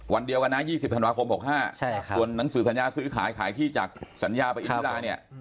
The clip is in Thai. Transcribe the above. วันเดียวกันนะ๒๐ธันวาคม๖๕ส่วนหนังสือสัญญาซื้อขายขายที่จากสัญญาไปอินทิลาเนี่ย